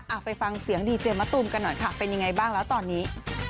ไปฟังเสียงดีเจมะตูมกันหน่อยค่ะเป็นยังไงบ้างแล้วตอนนี้